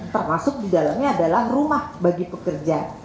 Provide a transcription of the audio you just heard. termasuk di dalamnya adalah rumah bagi pekerja